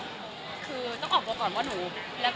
ก็คือต้องออกก่อก่อนว่า